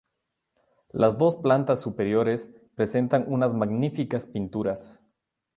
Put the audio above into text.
Las dos plantas superiores presentan unas magníficas pinturas.